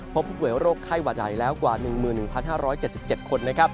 พบผู้ป่วยโรคไข้หวัดใหญ่แล้วกว่า๑๑๕๗๗คน